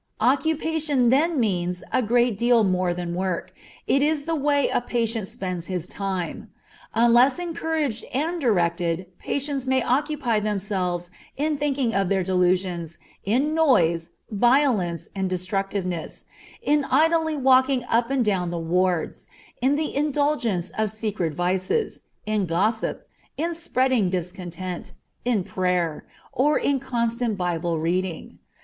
Occupation then means a great deal more than work; it is the way a patient spends his time. Unless encouraged and directed, patients may occupy themselves in thinking of their delusions, in noise, violence, or destructiveness, in idly walking up and down the wards, in the indulgence of secret vices, in gossip, in spreading discontent, in prayer, or in constant Bible reading.